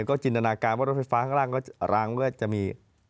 ก็จินตนาการว่ารถไฟฟ้าข้างล่างก็จะร้างเมื่อจะมี